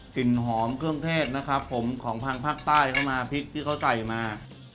กลิ่นหอมเครื่องเทศของภังภัคดิ์ใต้เค้ามาพริกที่เค้าใส่มา